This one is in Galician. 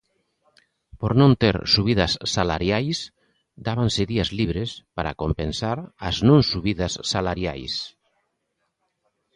Por non ter subidas salariais, dábanse días libres para compensar as non subidas salariais.